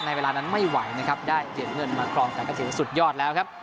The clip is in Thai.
เวลานั้นไม่ไหวนะครับได้เหรียญเงินมาครองแต่ก็ถือว่าสุดยอดแล้วครับ